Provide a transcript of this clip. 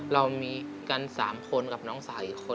เรามีกัน๓คนกับน้องสาวอีกคน